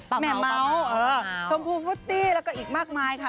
แม่เมาส์ชมพูฟุตตี้แล้วก็อีกมากมายค่ะ